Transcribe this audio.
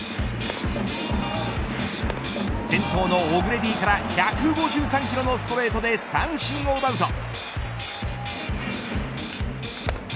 先頭のオグレディから１５３キロのストレートで三振を奪うと。